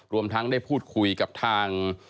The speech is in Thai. รวมทั้งได้พูดคุยกับทาง